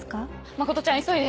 真ちゃん急いで！